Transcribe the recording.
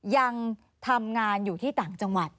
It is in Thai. ยังทำงานอยู่ที่ต่างจังหวัด